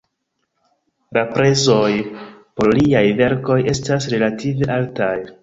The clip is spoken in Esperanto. La prezoj por liaj verkoj estas relative altaj.